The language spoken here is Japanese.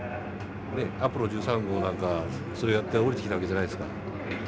アポロ１３号なんかはそれやって降りてきた訳じゃないですか。